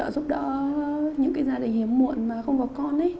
hỗ trợ giúp đỡ những gia đình hiếm muộn mà không có con